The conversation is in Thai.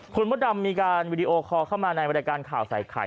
คุณมดดำมีการวิดีโอคอลเข้ามาในบริการข่าวใส่ไข่